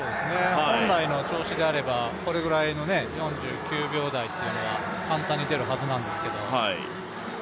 本来の調子であれば４９秒台というのは簡単に出るはずなんですけど。